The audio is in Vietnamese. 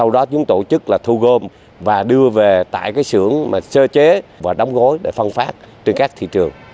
đó chúng tổ chức là thu gom và đưa về tại cái xưởng mà sơ chế và đóng gối để phân phát trên các thị trường